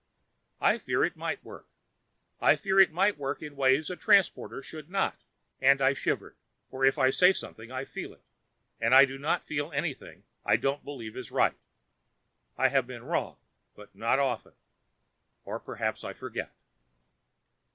"I fear it might work. I fear it might work in ways a transporter should not." And I shivered, for if I say something I feel it, and I do not feel anything I don't believe is right. I have been wrong, but not often ... or perhaps I forget.